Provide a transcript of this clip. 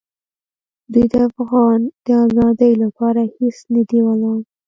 دوی د افغان د آزادۍ لپاره هېڅ نه دي ولاړ.